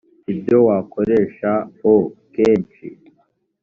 ibyo wayakoresha o kenshi